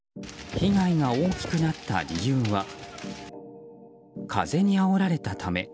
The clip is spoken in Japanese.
被害が大きくなった理由は風にあおられたため。